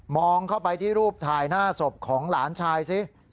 เข้าไปที่รูปถ่ายหน้าศพของหลานชายสิ